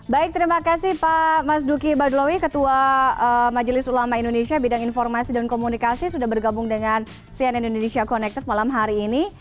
baik terima kasih pak mas duki badulawi ketua majelis ulama indonesia bidang informasi dan komunikasi sudah bergabung dengan cn indonesia connected malam hari ini